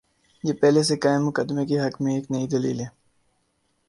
یہ پہلے سے قائم مقدمے کے حق میں ایک نئی دلیل ہے۔